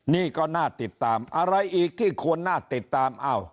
นี่ก็น่าติดตามอะไรอีกที่ควรน่าติดตาม